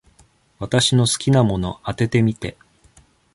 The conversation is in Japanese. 私の好きなもの、当ててみて。